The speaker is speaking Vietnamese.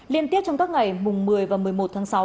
liên tiếp trong các ngày mùng một mươi và một mươi một tháng sáu